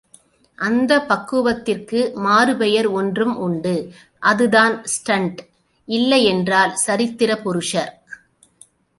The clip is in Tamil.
அந்தப் பக்குவத்திற்கு மாறு பெயர் ஒன்றும் உண்டு அதுதான் ஸ்டண்ட்! இல்லையென்றால், சரித்திர புருஷர்.